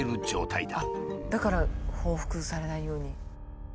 だから報復されないように。